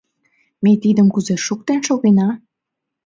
Ме тидым кузе шуктен шогена?